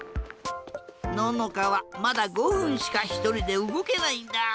ののかはまだ５ふんしかひとりでうごけないんだ。